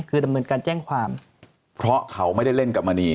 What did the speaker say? คือดำเนินการแจ้งความเพราะเขาไม่ได้เล่นกับมณี